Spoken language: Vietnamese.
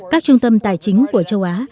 các trung tâm tài chính của châu á